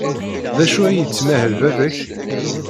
D acu ay yettmahal baba-k?